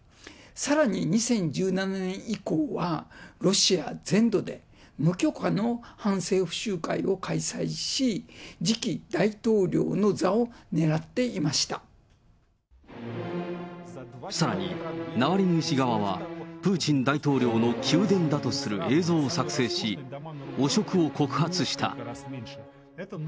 さらに２０１７年以降は、ロシア全土で無許可の反政府集会を開催し、さらに、ナワリヌイ氏側は、プーチン大統領の宮殿だとする映像を作成し、汚職を告発した。